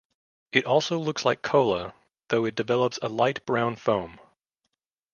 It almost looks like cola, though it develops a light brown foam.